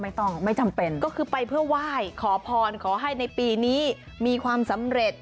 ไม่ต้องไม่จำเป็นก็คือไปเพื่อไหว้ขอพรขอให้ในปีนี้มีความสำเร็จ